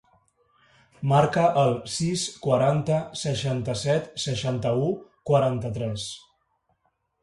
Marca el sis, quaranta, seixanta-set, seixanta-u, quaranta-tres.